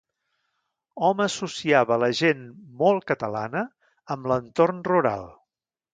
Hom associava la gent "molt catalana" amb l'entorn rural.